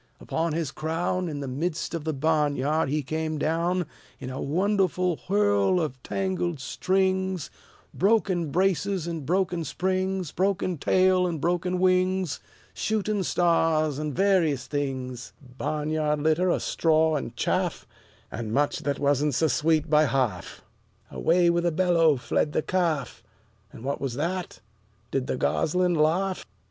Upon his crown, In the midst of the barn yard, he came down, In a wonderful whirl of tangled strings, Broken braces and broken springs, Broken tail and broken wings, Shooting stars, and various things, Barn yard litter of straw and chaff, And much that wasn't so sweet by half. Away with a bellow fled the calf; And what was that? Did the gosling laugh?